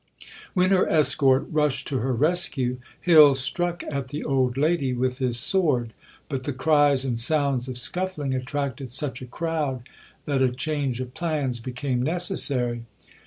When her escort rushed to her rescue, Hill struck at the old lady with his sword; but the cries and sounds of scuffling attracted such a crowd that a change of plans became necessary.